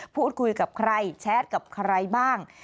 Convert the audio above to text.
พูดคุยกับใครแชทกับใครบ้าง